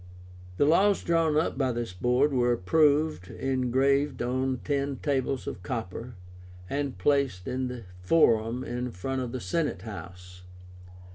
The laws drawn up by this board were approved, engraved on ten tables of copper, and placed in the Forum in front of the Senate House.